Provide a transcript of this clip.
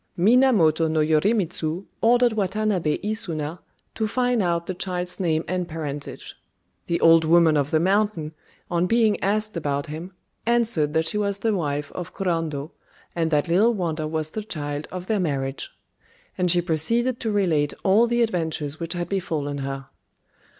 Minamoto no Yorimitsu ordered Watanabé Isuna to find out the child's name and parentage. The Old Woman of the Mountain, on being asked about him, answered that she was the wife of Kurando, and that "Little Wonder" was the child of their marriage. And she proceeded to relate all the adventures which had befallen her.